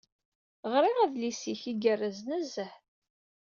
Ɣriɣ adlis-ik. Igerrez nezzeh.